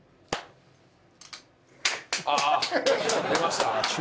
ああ出ました。